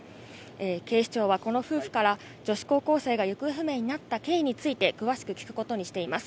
警視庁はこの夫婦から女子高校生が行方不明になった経緯について詳しく聞くことにしています。